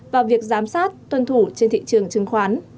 và việc giám sát tuân thủ trên thị trường chứng khoán